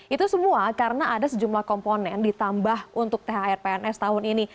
itu semua karena ada sejumlah komponen ditambah untuk thr pns tahun ini